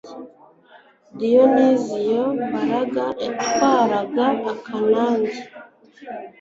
Diyoniziyo Mbaraga yatwaraga Akanage